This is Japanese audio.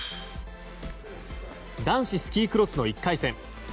男子スキークロスの１回戦。